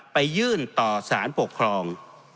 ไปยื่นต่อสารปกครอง